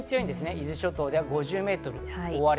伊豆諸島では５０メートル、大荒れ。